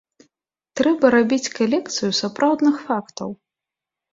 Трэба рабіць калекцыю сапраўдных фактаў.